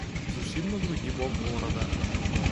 Зусім на другі бок горада.